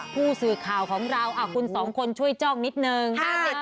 ผู้สื่อข่าวของเราคุณสองคนช่วยจ้องนิดนึง